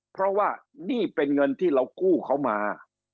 เพราะว่านี่เป็นเงินที่เรากู้เขามา